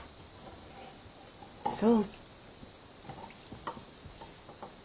そう。